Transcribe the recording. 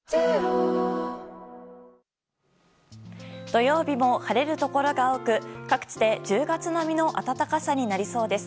土曜日も晴れるところが多く各地で１０月並みの暖かさになりそうです。